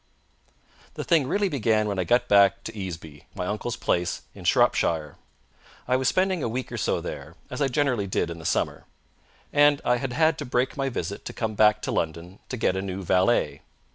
The thing really began when I got back to Easeby, my uncle's place in Shropshire. I was spending a week or so there, as I generally did in the summer; and I had had to break my visit to come back to London to get a new valet.